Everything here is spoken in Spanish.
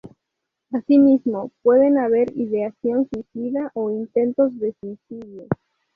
Asimismo, pueden haber ideación suicida o intentos de suicidio.